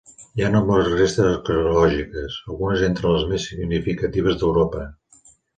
Hi ha nombroses restes arqueològiques, algunes entre les més significatives d'Europa.